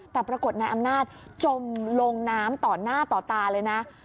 แต่ปรากฏนายอำนาจจมลงน้ำต่อหน้าต่อตาเลยนะ